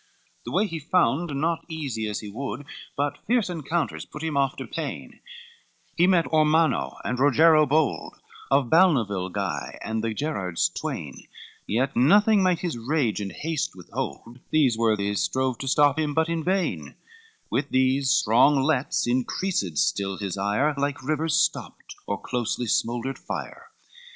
CVIII The way he found not easy as he would, But fierce encounters put him oft to pain, He met Ormanno and Rogero bold, Of Balnavile, Guy, and the Gerrards twain; Yet nothing might his rage and haste withhold, These worthies strove to stop him, but in vain, With these strong lets increased still his ire, Like rivers stopped, or closely smouldered fire.